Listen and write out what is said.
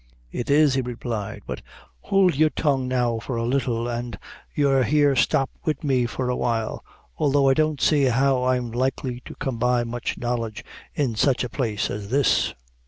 "It is," he replied; "but hould your tongue now for a little, and as you're here stop wid me for a while, although I don't see how I'm likely to come by much knowledge in sich a place as this."